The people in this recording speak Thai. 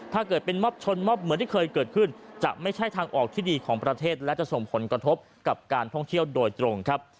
ถ้าเกิดเป็นม็อบชนม็อบเหมือนที่เคยเกิดขึ้นจะไม่ใช่ทางออกที่ดีของประเทศและจะส่งผลกระทบกับการท่องเที่ยวโดยตรงครับ